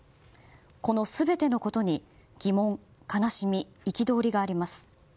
この全てのことに疑問悲しみ憤りがあります。